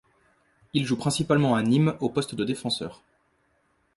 Il joue principalement à Nîmes au poste de défenseur.